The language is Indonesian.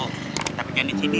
kita pegang di sini